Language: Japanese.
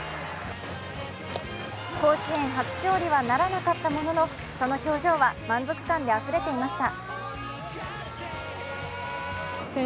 甲子園初勝利はならなかったもののその表情は満足感であふれていました。